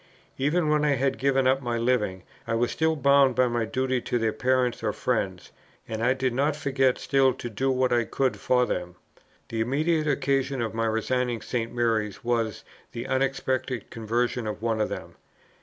Even when I had given up my living, I was still bound by my duty to their parents or friends, and I did not forget still to do what I could for them. The immediate occasion of my resigning St. Mary's, was the unexpected conversion of one of them.